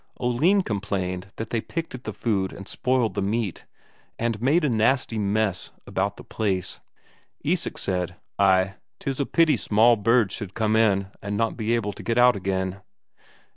Oline complained that they picked at the food and spoiled the meat, and made a nasty mess about the place. Isak said: "Ay, 'tis a pity small birds should come in and not be able to get out again."